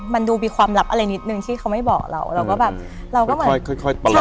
มันดูมีความลับอะไรนิดนึงที่เขาไม่บอกเราเราก็แบบเราก็เหมือนค่อยค่อยประหล